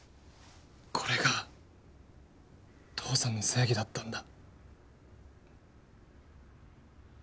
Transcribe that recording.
これが父さんの正義だったんだ？